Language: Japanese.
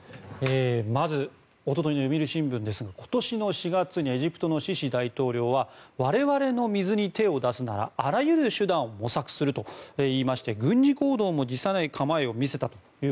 まず、一昨日の読売新聞ですが今年の４月にエジプトのシシ大統領は我々の水に手を出すならあらゆる手段を模索すると言いまして軍事行動も辞さない構えを見せたと。